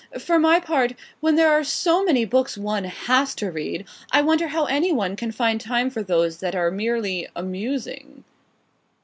For my part, when there are so many books one has to read; I wonder how any one can find time for those that are merely amusing."